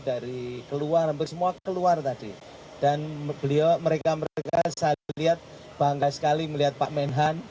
dari keluar hampir semua keluar tadi dan beliau mereka mereka saya lihat bangga sekali melihat pak menhan